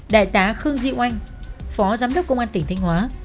đại tá khương diệu anh phó giám đốc công an tỉnh thanh hóa